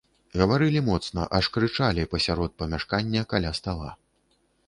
Гаварылі моцна, аж крычалі пасярод памяшкання каля стала.